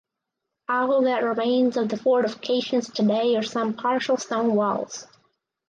All that remains of the fortifications today are some partial stone walls.